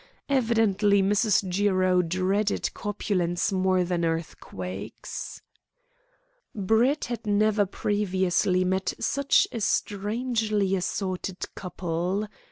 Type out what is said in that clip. Evidently Mrs. Jiro dreaded corpulence more than earthquakes. Brett had never previously met such a strangely assorted couple.